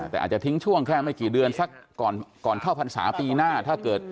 แต่อาจจะทิ้งช่วงแค่ไม่กี่เดือนสักก่อนเข้าพรรษาปีหน้าถ้าเกิด